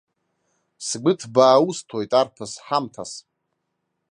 Сгәы ҭбаа усҭоит, арԥыс, ҳамҭас!